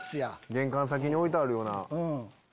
玄関先に置いてあるような。